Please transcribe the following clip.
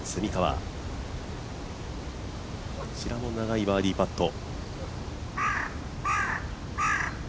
こちらも長いバーディーパット。